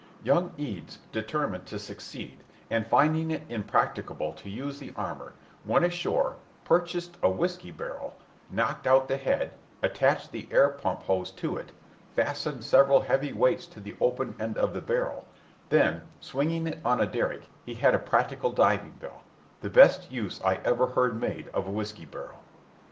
Young Eads determined to succeed, and, finding it impracticable to use the armor, went ashore, purchased a whiskey barrel, knocked out the head, attached the air pump hose to it, fastened several heavy weights to the open end of the barrel; then, swinging it on a derrick, he had a practical diving bell the best use I ever heard made of a whiskey barrel.